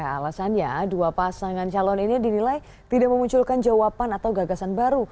alasannya dua pasangan calon ini dinilai tidak memunculkan jawaban atau gagasan baru